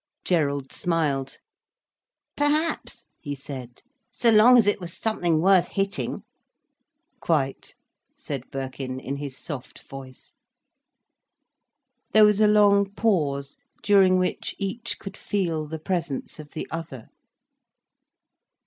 Gerald smiled. "Perhaps," he said. "So long as it was something worth hitting." "Quite!" said Birkin, in his soft voice. There was a long pause during which each could feel the presence of the other.